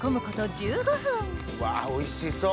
うわおいしそう！